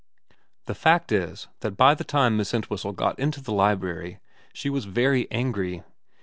The fact is that by the time Miss Entwhistle got into the library she was very angry.